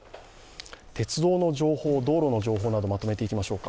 鉄道の情報、道路の情報などまとめていきましょう。